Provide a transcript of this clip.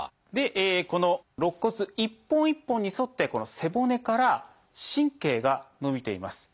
この肋骨一本一本に沿って背骨から神経が伸びています。